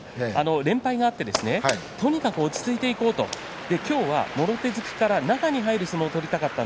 連敗があってとにかく落ち着いていこう今日はもろ手突きから中に入る相撲を取りたかった。